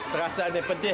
terasa ini pedih